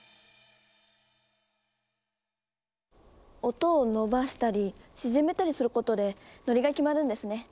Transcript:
音を伸ばしたり縮めたりすることでノリが決まるんですね。